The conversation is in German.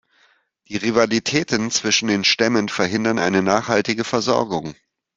Die Rivalitäten zwischen den Stämmen verhindern eine nachhaltige Versorgung.